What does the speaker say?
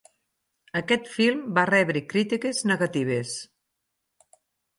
Aquest film va rebre crítiques negatives.